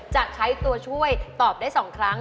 จะใช้ตัวช่วยตอบได้๒ครั้ง